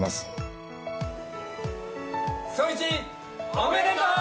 おめでとう。